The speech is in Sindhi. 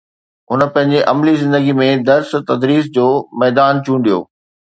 هن پنهنجي عملي زندگيءَ ۾ درس تدريس جو ميدان چونڊيو